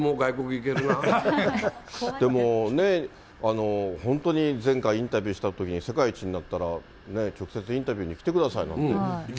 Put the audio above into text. でもね、本当に前回インタビューしたときに、世界一になったら、直接インタビューに来てくださいなんて。